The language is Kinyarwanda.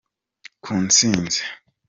ku ntsinzi.